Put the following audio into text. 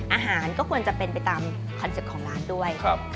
อาหารก็ควรจะเป็นไปตามคอนเซ็ปต์ของร้านด้วย